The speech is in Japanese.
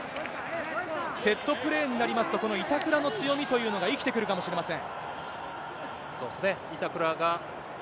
セットプレーになりますと、この板倉の強みというのが生きてくるかもしれません。